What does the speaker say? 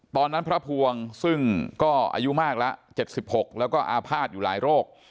ตอนนั้นพระภวงซึ่งก็อายุมากแล้ว๗๖แล้วก็อาภาษณ์อยู่หลายโรค